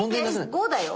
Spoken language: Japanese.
５だよ！